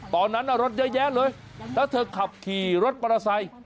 ตอนนั้นรถเยอะแยะเลยแล้วเธอขับขี่รถมอเตอร์ไซค์